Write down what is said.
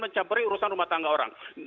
mencampuri urusan rumah tangga orang